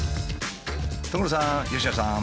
所さん佳乃さん。